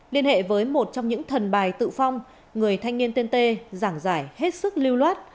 liên hệ với một trong những thần bài tự phong người thanh niên tên tê giảng giải hết sức lưu loát